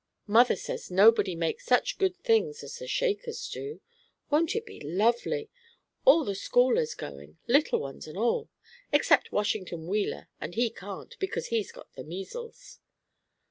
Mother says nobody makes such good things as the Shakers do. Won't it be lovely? All the school is going, little ones and all, except Washington Wheeler, and he can't, because he's got the measles."